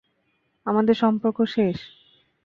আমাদের সম্পর্ক শেষ।